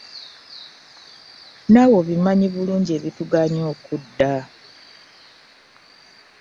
Naawe obimanyi bulungi ebitugaanyi okudda.